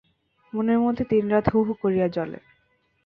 মনের মধ্যে দিনরাত হুহু করিয়া জ্বলে।